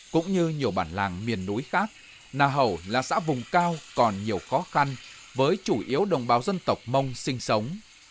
cũng như nhiều bản làng miền núi khác nà hẩu là xã vùng cao còn nhiều khó khăn với chủ yếu đồng bào dân tộc mông sinh sống